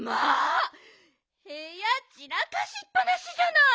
へやちらかしっぱなしじゃない！